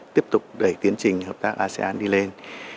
tiếp tục đẩy tiến trình hợp tác asean đi lên